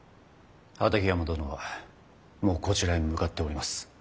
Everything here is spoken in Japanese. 畠山殿はもうこちらへ向かっております。